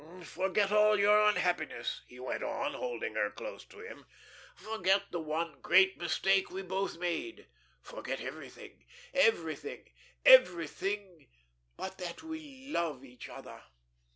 " Forget all your unhappiness," he went on, holding her close to him. "Forget the one great mistake we both made. Forget everything, everything, everything but that we love each other."